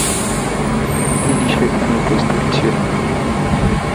তিনি সেখানে উপস্থিত ছিলেন।